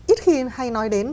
ít khi hay nói đến